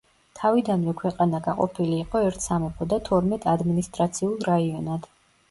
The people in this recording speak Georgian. თავიდანვე ქვეყანა გაყოფილი იყო ერთ სამეფო და თორმეტ ადმინისტრაციულ რაიონად.